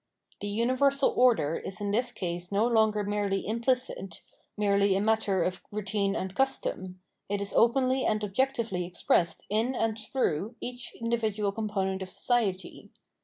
The universal order is in this case no longer merely implicit, merely a matter of routine and custom ; it is openly and objectively expressed in and through each individual component of society.